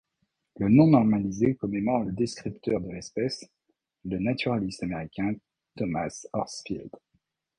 Le nom normalisé commémore le descripteur de l'espèce, le naturaliste américain Thomas Horsfield.